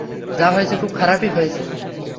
যা হয়েছে, খুব খারাপই হয়েছে।